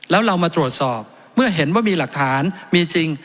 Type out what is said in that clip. แล้วเรามาตรวจสอบเมื่อเห็นว่ามีหลักฐานมีจริง